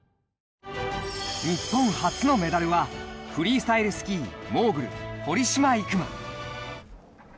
日本初のメダルはフリースタイルスキー・モーグル堀島行真。